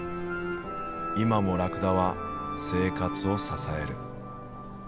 今もラクダは生活を支える。